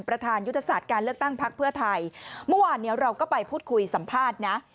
ประธานยุทธศาสตร์การเลือกตั้งพักเพื่อไทยเมื่อวานเนี่ยเราก็ไปพูดคุยสัมภาษณ์นะ